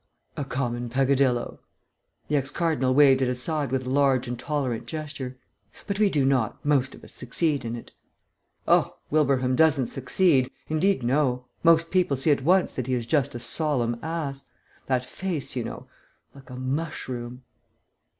"A common peccadillo." The ex cardinal waved it aside with a large and tolerant gesture. "But we do not, most of us, succeed in it." "Oh, Wilbraham doesn't succeed. Indeed no. Most people see at once that he is just a solemn ass. That face, you know ... like a mushroom...."